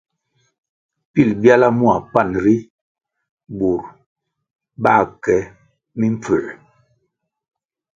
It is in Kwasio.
Pil byala mua panʼ ri, burʼ bā ke mimpfū.